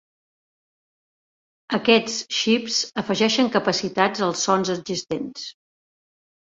Aquests xips afegeixen capacitats als sons existents.